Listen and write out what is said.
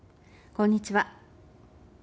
こんにちは。